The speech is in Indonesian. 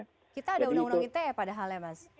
kita ada undang undang ite padahal ya mas